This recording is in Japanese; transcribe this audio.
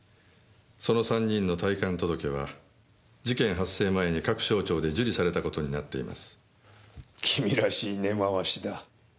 その３人の退官届は事件発生前に各省庁で受理された事になっています。君らしい根回しだ。